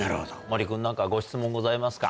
森君何かご質問ございますか？